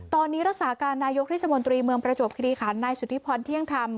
ตอนนี้รักษาการนายกเทศมนตรีเมืองประจวบคิริขันนายสุธิพรเที่ยงธรรม